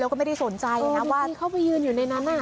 แล้วก็ไม่ได้สนใจนะว่าเจ้าหน้าที่เข้ายืนอยู่ในนั้นอ่ะ